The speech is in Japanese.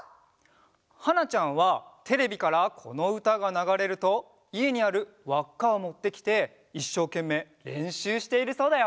はなちゃんはテレビからこのうたがながれるといえにあるわっかをもってきていっしょうけんめいれんしゅうしているそうだよ！